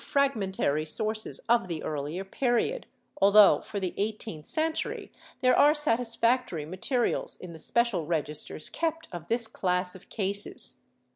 134 SOLICITATION [Book VIII fragmentary sources of the earlier period, although for the eighteenth century there are satisfactory materials in the special registers kept of tliis class of cases.